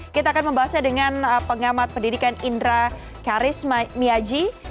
kita akan membahasnya dengan pengamat pendidikan indra karis miaji